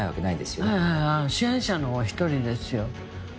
はいはいああ支援者の一人ですよ。